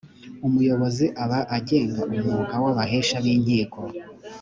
umuyobozi aba agenga umwuga w abahesha b inkiko